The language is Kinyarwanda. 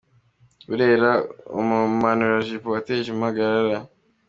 Burera Umumanurajipo wateje impagarara